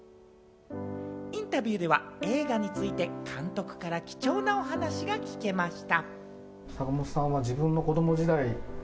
インタビューでは映画について監督から貴重なお話が聞けました。